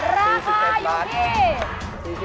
ราคาอยู่ที่